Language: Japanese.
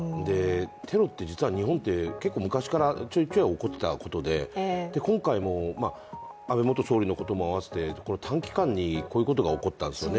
テロって実は、日本って結構昔からちょいちょい起こっていたことで今回も安倍元総理のことも合わせて短期間にこういうことが怒ったんですよね。